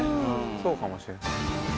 そうかもしれない。